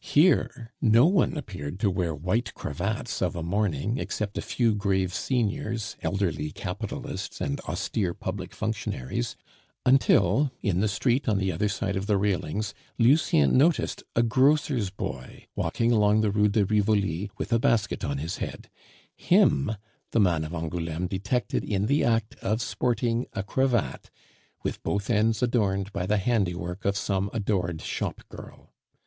Here, no one appeared to wear white cravats of a morning except a few grave seniors, elderly capitalists, and austere public functionaries, until, in the street on the other side of the railings, Lucien noticed a grocer's boy walking along the Rue de Rivoli with a basket on his head; him the man of Angouleme detected in the act of sporting a cravat, with both ends adorned by the handiwork of some adored shop girl.